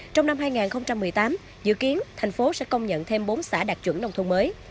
trong năm hai nghìn một mươi tám dự kiến thành phố sẽ công nhận thêm bốn xã đạt chuẩn nông thôn mới